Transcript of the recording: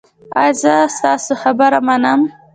ایا زه ستاسو خبره منم؟